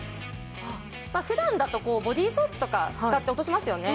普段だとボディーソープとか使って落としますよね。